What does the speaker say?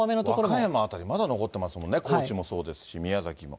和歌山辺り、まだ残ってますもんね、高知もそうですし、宮崎も。